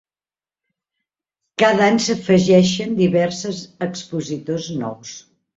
Cada any, s'afegeixen diverses expositors nous.